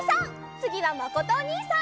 つぎはまことおにいさん！